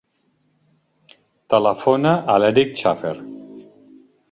Telefona a l'Eric Chafer.